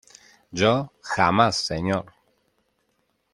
yo, jamás , señor.